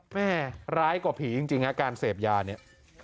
แม่ร้ายกว่าผีจริงฮะการเสพยาเนี่ย